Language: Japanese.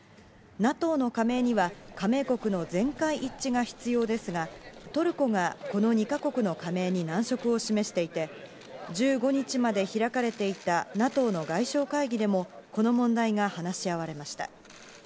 ＮＡＴＯの加盟には、加盟国の全会一致が必要ですが、トルコがこの２か国の加盟に難色を示していて、１５日まで開かれていたＮＡＴＯの外相会議でもこの問題が話し合われました。